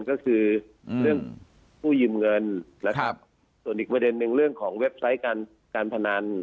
ก็คือเรื่องกู้ยืมเงินนะครับส่วนอีกประเด็นหนึ่งเรื่องของเว็บไซต์การการพนัน